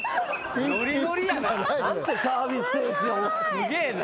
すげえな。